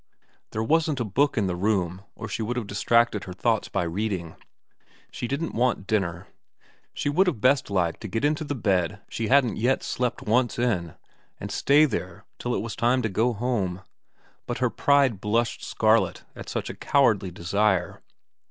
There wasn't a book in the room, or she would have distracted her thoughts by reading. She didn't want dinner. She would have best liked to get into the bed she hadn't yet slept once in, and stay there till it was time to go home, but her pride blushed scarlet at such a cowardly desire.